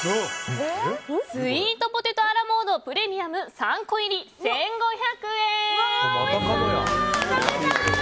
スイートポテト・ア・ラ・モードプレミアム３個入り１５００円！